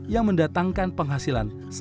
yang mendatangkan penghasilannya